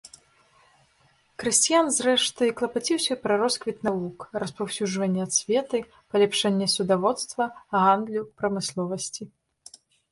Крысціян, зрэшты, клапаціўся пра росквіт навук, распаўсюджванне асветы, паляпшэнне судаводства, гандлю, прамысловасці.